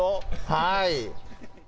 はい。